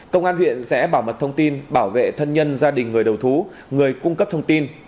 công an huyện sẽ bảo mật thông tin bảo vệ thân nhân gia đình người đầu thú người cung cấp thông tin